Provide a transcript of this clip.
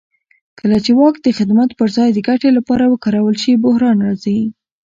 کله چې واک د خدمت پر ځای د ګټې لپاره وکارول شي بحران راځي